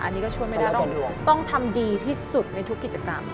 อันนี้ก็ช่วยไม่ได้ต้องทำดีที่สุดในทุกกิจกรรม